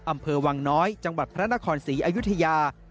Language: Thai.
อำเภอวังน้อยจังหวัดพระนครศรีอยุธยา